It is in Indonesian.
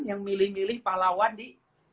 yang milih milih pahlawan di